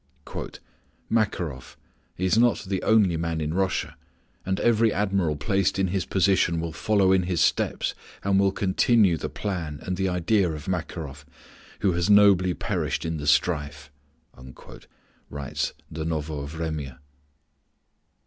"Makaroff is not the only man in Russia, and every admiral placed in his position will follow in his steps and will continue the plan and the idea of Makaroff, who has nobly perished in the strife," writes the Novoe Vremya.